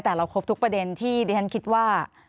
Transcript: แต่เราครบทุกประเด็นที่ดิฉันคิดว่า